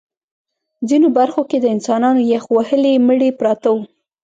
ځینو برخو کې د انسانانو یخ وهلي مړي پراته وو